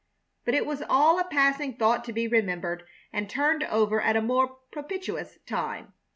But it was all a passing thought to be remembered and turned over at a more propitious time.